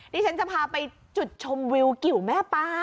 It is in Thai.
นี่ฉันจะพาไปจุดชมวิวกิวแม่ป๊า